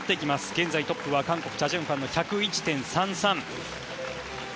現在トップは韓国、チャ・ジュンファンの１０１．３３。